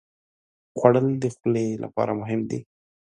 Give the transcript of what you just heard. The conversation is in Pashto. خوړل د خولې لپاره مهم دي